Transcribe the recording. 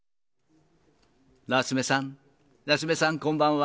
夏目さん、夏目さん、こんばんは。